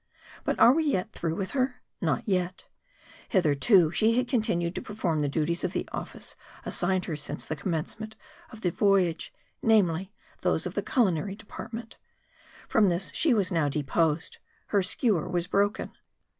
But are we yet through with her ? Not yet. Hitherto she had continued to perform the duties of the office assign ed her since the commencement of the voyage : namely, those of the culinary department. From this she was now deposed. Her skewer was broken.